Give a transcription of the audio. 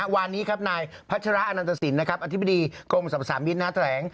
วันนี้ครับนายพัชราอาณาจสินอธิบดีกรมสรรพสามวิทย์หน้าแสน